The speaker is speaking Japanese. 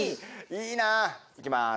いいなあ。いきます。